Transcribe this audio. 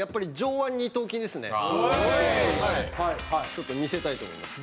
ちょっと見せたいと思います。